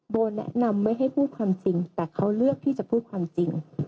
โบแนะนำไม่ให้พูดความจริงแต่เขาเลือกที่จะพูดความจริง